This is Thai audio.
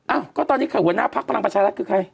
อ้าวก็ตอนนี้คือหัวหน้าภักดิ์กับพลังประชาธิกฤษก็ใคร